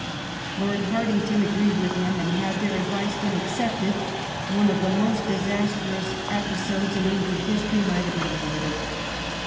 Lord Hartington agreed with him, and had their advice been accepted one of the most disastrous episodes in English history might have been avoided.